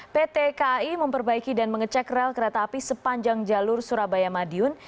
pt kai memperbaiki dan mengecek rel kereta api sepanjang jalur surabaya madiun